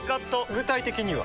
具体的には？